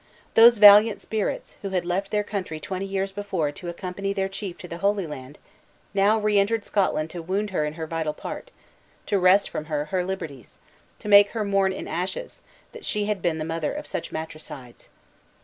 Those valiant spirits, who had left their country twenty years before to accompany their chief to the Holy Land, now re entered Scotland to wound her in her vital part; to wrest from her her liberties; to make her mourn in ashes, that she had been the mother of such matricides.